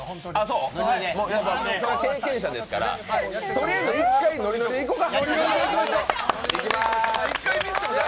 そうですか、経験者ですからとりあえず一回、ノリノリでいこうか。